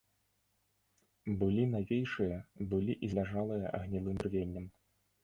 Былі навейшыя, былі і зляжалыя гнілым бярвеннем.